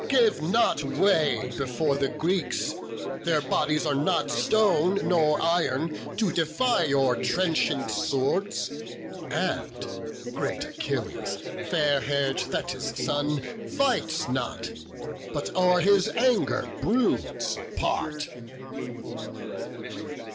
give not way Before the Greeks; their bodies are not stone, Nor iron, to defy your trenchant swords; And great Achilles, fair hair'd Thetis' son, Fights not, but o'er his anger broods apart."